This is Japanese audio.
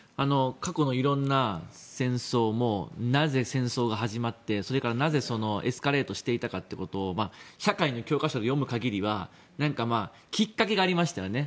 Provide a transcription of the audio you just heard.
過去の色んな戦争もなぜ戦争が始まってそれからなぜエスカレートしていたかってことを社会の教科書で読む限りはきっかけがありましたよね。